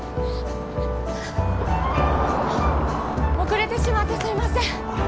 遅れてしまってすいません